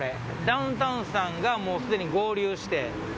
ダウンタウンさんが既に合流して。